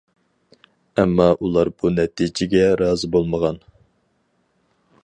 ئەمما ئۇلار بۇ نەتىجىگە رازى بولمىغان.